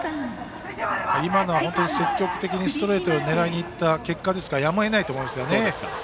今のは本当に積極的にストレートで狙いにいった結果ですからやむをえないと思いますね。